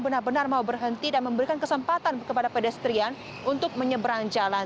benar benar mau berhenti dan memberikan kesempatan kepada pedestrian untuk menyeberang jalan